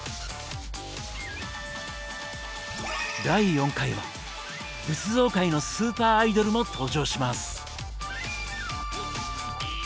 第４回は仏像界のスーパーアイドルも登場します。